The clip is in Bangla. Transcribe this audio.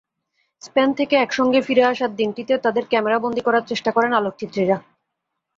স্পেন থেকে একসঙ্গে ফিরে আসার দিনটিতে তাঁদের ক্যামেরাবন্দী করার চেষ্টা করেন আলোকচিত্রীরা।